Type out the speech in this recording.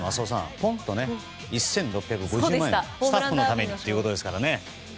ポンと１６５０万円をスタッフのためにということですからね。